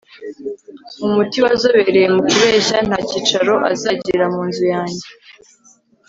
umuntu wazobereye mu kubeshya, nta cyicaro azagira mu nzu yanjye